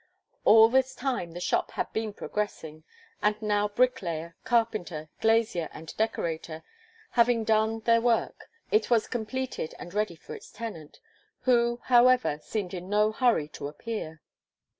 All this time the shop had been progressing, and now bricklayer, carpenter, glazier, and decorator haying done their work, it was completed and ready for its tenant, who, however, seemed in no hurry to appear.